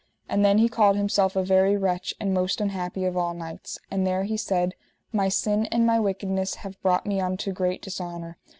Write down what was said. And then he called himself a very wretch, and most unhappy of all knights; and there he said: My sin and my wickedness have brought me unto great dishonour.